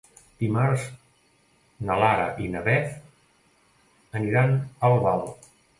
Dimarts na Lara i na Beth aniran a Albal.